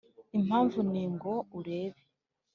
impamvu ni ngo urebe!